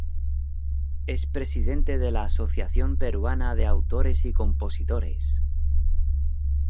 Es presidente de la Asociación Peruana de Autores y Compositores.